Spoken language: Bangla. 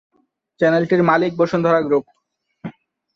চ্যানেলটির মালিক বসুন্ধরা গ্রুপ।